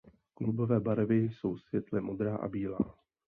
Klubové barvy jsou světle modrá a bílá.